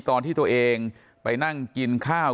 ตอนที่ตัวเองไปนั่งกินข้าว